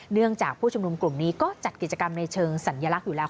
เนื่องจากผู้ชุมนุมกลุ่มนี้ก็จัดกิจกรรมในเชิงสัญลักษณ์อยู่แล้ว